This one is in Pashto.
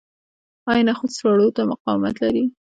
آیا نخود سړو ته مقاومت لري؟